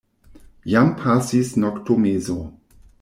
Jam pasis noktomezo.